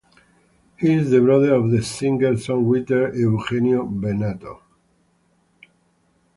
He is the brother of the singer-songwriter Eugenio Bennato.